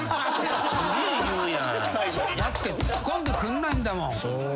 だってツッコんでくんないんだもん。